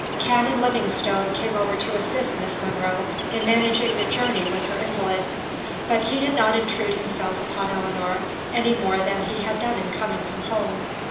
Canon Livingstone came over to assist Miss Monro in managing the journey with her invalid. But he did not intrude himself upon Ellinor, any more than he had done in coming from home.